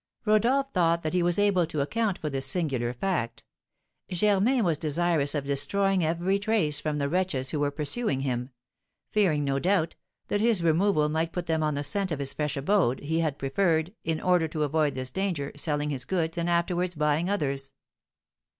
Rodolph thought that he was able to account for this singular fact. Germain was desirous of destroying every trace from the wretches who were pursuing him: fearing, no doubt, that his removal might put them on the scent of his fresh abode, he had preferred, in order to avoid this danger, selling his goods, and afterwards buying others.